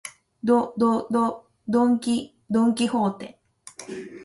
ど、ど、ど、ドンキ、ドンキホーテ